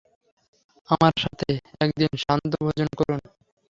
আমার সাথে একদিন সান্ধ্য-ভোজন করুন।